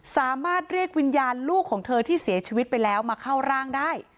สามารถเรียกวิญญาณลูกของเธอที่เสียชีวิตไปแล้วมาเข้าร่างได้